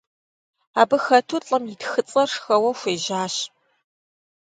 Абы хэту лӀым и тхыцӀэр шхэуэ хуежьащ.